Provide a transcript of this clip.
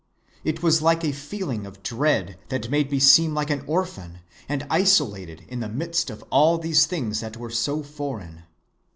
It was like a feeling of dread that made me seem like an orphan and isolated in the midst of all these things that were so foreign.